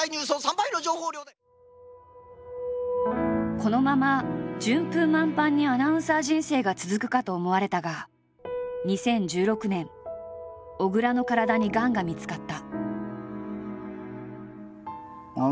このまま順風満帆にアナウンサー人生が続くかと思われたが２０１６年小倉の体にがんが見つかった。